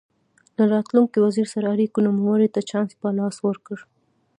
له راتلونکي وزیر سره اړیکو نوموړي ته چانس په لاس ورکړ.